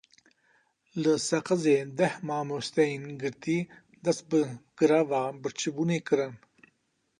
Li Seqizê deh mamosteyên girtî dest bi gireva birçîbunê kirin.